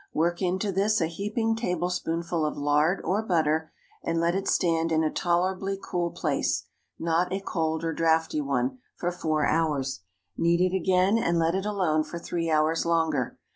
Work into this a heaping tablespoonful of lard or butter, and let it stand in a tolerably cool place (not a cold or draughty one) for four hours. Knead it again, and let it alone for three hours longer.